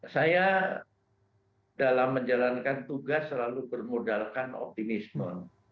saya dalam menjalankan tugas selalu bermodalkan optimisme